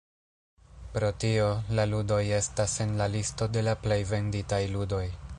Pro tio, la ludoj estas en la listo de la plej venditaj ludoj.